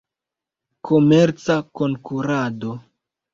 Komerca Konkurado.